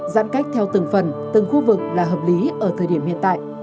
giãn cách theo từng phần từng khu vực là hợp lý ở thời điểm hiện tại